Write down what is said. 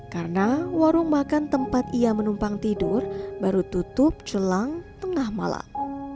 karena warung makan tempat ia menumpang tidur baru tutup celang tengah malam